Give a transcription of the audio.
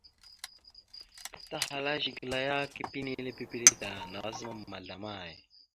Tahala Zigəla ya, kepé enile pipile ta, nazəmam ma zlamay?